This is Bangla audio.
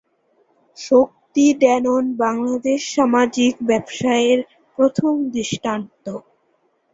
শক্তি-ড্যানোন বাংলাদেশে সামাজিক ব্যবসায়ের প্রথম দৃষ্টান্ত।